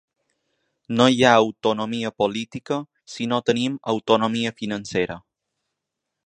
No hi ha autonomia política si no tenim autonomia financera.